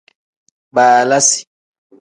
Baalasi.